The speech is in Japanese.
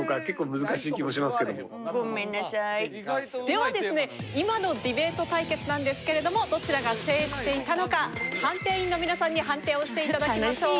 ではですね今のディベート対決なんですけれどもどちらが制していたのか判定員の皆さんに判定をしていただきましょう。